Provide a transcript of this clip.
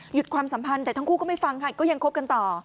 ความสัมพันธ์แต่ทั้งคู่ก็ไม่ฟังค่ะก็ยังคบกันต่อ